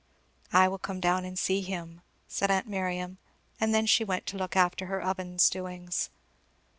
"I will come down and see him," said aunt Miriam; and then she went to look after her oven's doings.